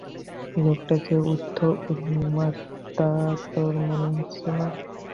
লোকটা যে বদ্ধ উন্মাদ, তা তোর মনে হচ্ছে না?